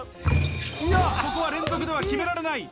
ここは連続では決められない。